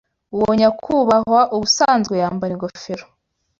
Uwo nyakubahwa ubusanzwe yambara ingofero.